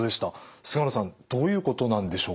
菅野さんどういうことなんでしょうか。